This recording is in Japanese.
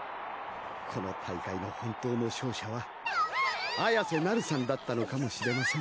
この大会の本当の勝者は彩瀬なるさんだったのかもしれません。